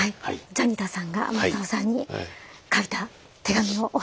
ジャニタさんが正雄さんに書いた手紙をお預かりしております。